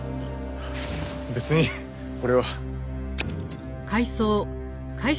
別にこれは。